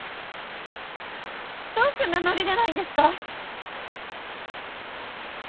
どうして名乗り出ないんですか？